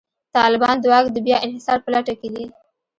طالبان د واک د بیا انحصار په لټه کې دي.